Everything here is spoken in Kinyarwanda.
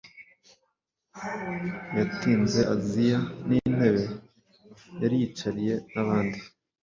Yatinze Aziya nIntebe yariyicariye nabandi